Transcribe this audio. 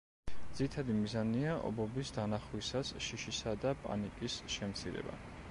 ძირითადი მიზანია ობობის დანახვისას შიშისა და პანიკის შემცირება.